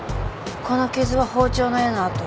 この傷は包丁の柄の跡。